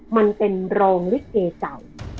มันเป็นโรงริเกเจา